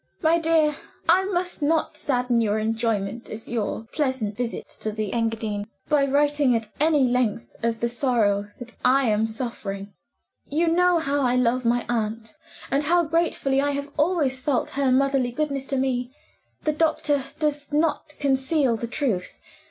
"My dear, I must not sadden your enjoyment of your pleasant visit to the Engadine, by writing at any length of the sorrow that I am suffering. You know how I love my aunt, and how gratefully I have always felt her motherly goodness to me. The doctor does not conceal the truth.